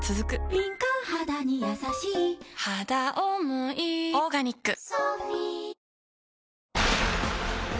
敏感肌にやさしい「はだおもいオーガニック」あっ。